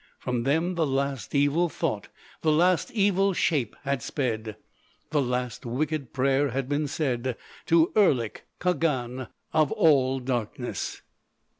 From them the last evil thought, the last evil shape had sped; the last wicked prayer had been said to Erlik, Khagan of all Darkness.